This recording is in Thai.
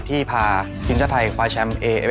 ที่พาทีมชาติไทยควายแชมป์